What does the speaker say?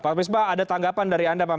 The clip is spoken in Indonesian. pak miesbah ada tanggapan dari anda